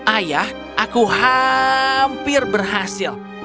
ayah aku hampir berhasil